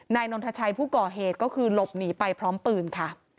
นนทชัยผู้ก่อเหตุก็คือหลบหนีไปพร้อมปืนค่ะ